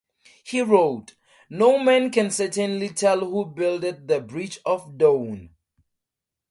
He wrote: No man can certainly tell who builded the Bridge of Done.